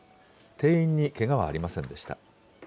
店員にけがはありませんでした。